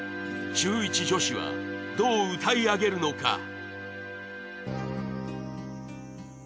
中１女子はどう歌い上げるのか？